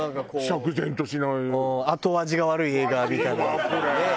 後味が悪い映画みたいなねえ？